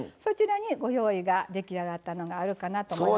ご用意が出来上がったのがあるかなと思います。